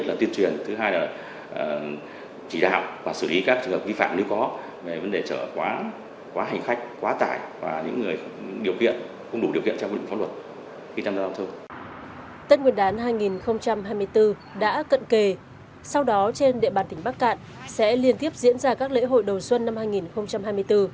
tất nguyên đán hai nghìn hai mươi bốn đã cận kề sau đó trên địa bàn tỉnh bắc cạn sẽ liên tiếp diễn ra các lễ hội đầu xuân năm hai nghìn hai mươi bốn